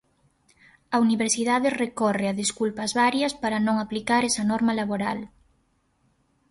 A Universidade recorre a desculpas varias para non aplicar esa norma laboral.